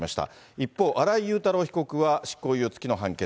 一方、新井雄太郎被告は執行猶予付きの判決。